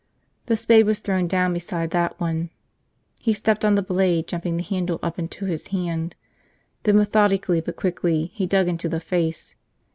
The spade was thrown down beside that one. He stepped on the blade, jumping the handle up into his hand. Then, methodically but quickly, he dug into the face.